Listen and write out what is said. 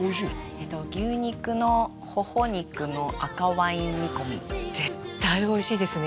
えっと牛肉のほほ肉の赤ワイン煮込み絶対おいしいですね